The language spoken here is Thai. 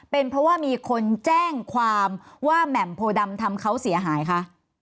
เป็นเพราะว่ามีคนแจ้งความว่าแหม่มโพดำทำเขาเสียหายคะ